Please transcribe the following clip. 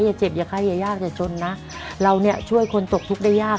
อย่าเจ็บอย่าไข้อย่ายากอย่าจนนะเราเนี่ยช่วยคนตกทุกข์ได้ยาก